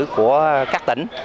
của các tỉnh